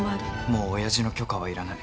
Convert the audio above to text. もう親父の許可はいらない。